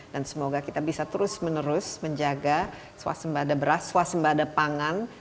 dan semoga kita bisa terus menerus menjaga swasembada beras swasembada pangan